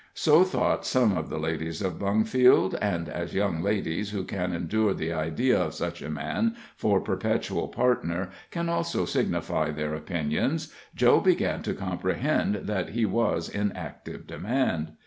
So thought some of the ladies of Bungfield, and as young ladies who can endure the idea of such a man for perpetual partner can also signify their opinions, Joe began to comprehend that he was in active demand.